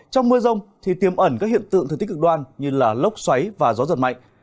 trong mưa rông thì tiêm ẩn các hiện tượng thực tích cực đoan như lốc xoáy và gió giật mạnh